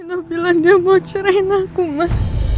inovilannya bocret aku mah